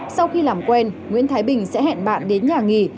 sau khi làm quen nguyễn thái bình sẽ hẹn bạn đến nhà nghỉ